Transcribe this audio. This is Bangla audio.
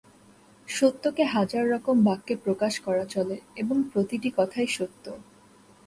সত্যকে হাজার রকম বাক্যে প্রকাশ করা চলে, এবং প্রতিটি কথাই সত্য।